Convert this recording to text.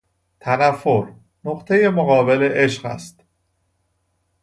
تنفر، نقطهی مقابل عشق است.